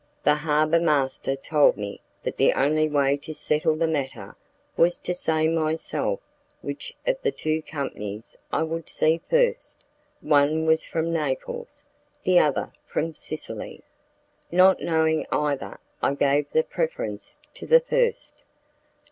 The harbour master told me that the only way to settle the matter was to say myself which of the two companies I would see first: one was from Naples, the other from Sicily. Not knowing either I gave the preference to the first.